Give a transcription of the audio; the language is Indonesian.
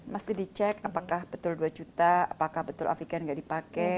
mesti dicek apakah betul dua juta apakah betul afigan nggak dipakai